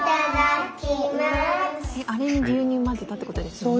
あれに牛乳混ぜたってことですよね。